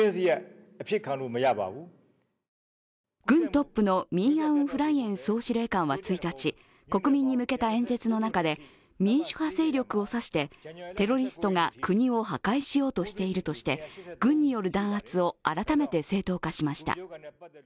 軍トップのミン・アウン・フライン総司令官は１日国民に向けた演説の中で民主派勢力を指してテロリストが国を破壊しようとしているとして軍による弾圧を改めて正当化しました。